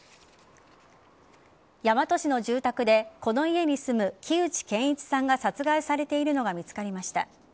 大和市の住宅でこの家に住む木内健一さんが殺害されているのが見つかりました。